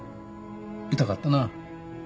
痛かったな。